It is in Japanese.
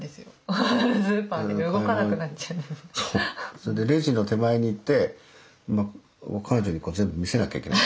それでレジの手前に行って彼女に全部見せなきゃいけない。